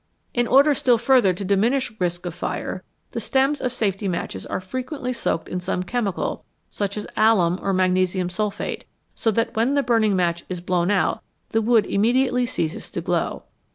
In order still further to diminish risk of fire, the stems of safety matches are frequently soaked in some chemical, such as alum or magnesium sulphate, so that when the burning match is blown out the wood immediately ceases to glow.